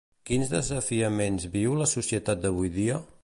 Quins desafiaments viu la societat d'avui dia?